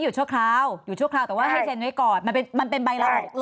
หยุดชั่วคราวหยุดชั่วคราวแต่ว่าให้เซ็นต์ไว้ก่อนมันเป็นมันเป็นใบละออก